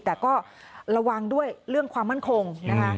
แต่ก็ระวังด้วยเรื่องความมั่นคงนะคะ